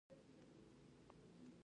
د واښو بیه لوړه ده؟